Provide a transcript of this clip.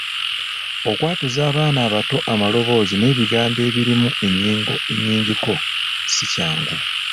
Okwatuza abaana abato amaloboozi n’ebigambo ebirimu ennyingo ennyingiko si kyangu.